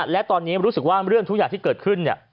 และตอนนี้รู้สึกว่าเรื่องทุกอย่างที่เกิดขึ้นเนี่ย